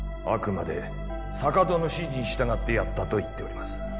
あくまで坂戸の指示に従ってやったと言っております